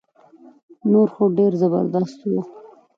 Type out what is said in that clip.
نور خو ډير زبردست وو